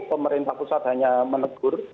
pemerintah pusat hanya menegur